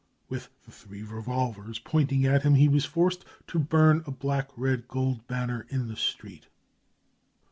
With three Revolvers pointing at him, he was forced to burn a black red gold banner in the street.